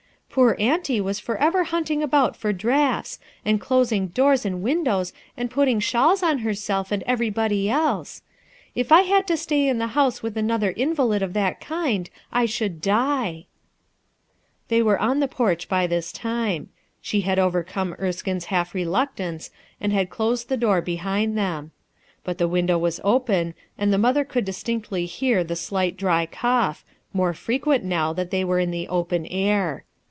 Poor auntie was forever hunting about for draughts, and closing doors and win dows and putting shawls on herself and every body else. If I had to stay in the house with another invalid of that land, I should die." ul ItUTII ERSKINE'S SON They were on the porch by this time; B hc had overcome Erckino's half reluctance and had dosed the door behind them. But the window was open and the mother could distinctly hear the fclight dry c0U S h more h(if \ utni now that Ihc y were in the open air.